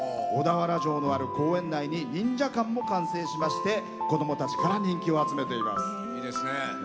小田原城のある公園に忍者館も完成しまして子どもたちから人気を集めています。